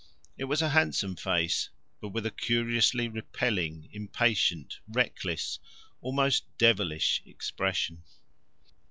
It was a handsome face, but with a curiously repelling, impatient, reckless, almost devilish expression.